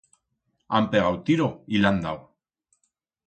Han pegau tiro y le han dau.